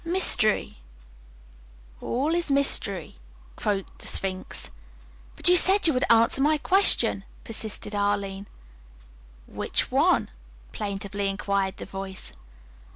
"Mystery, all is mystery," croaked the Sphinx. "But you said you would answer my question!" persisted Arline. "Which one?" plaintively inquired the voice.